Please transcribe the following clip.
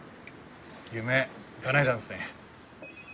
夢かなえたんですね。